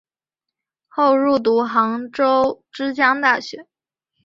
后入读杭州之江大学。